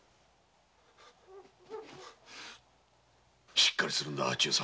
しっかりするんだ忠さん。